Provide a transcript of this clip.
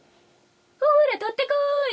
「ほら取ってこい！」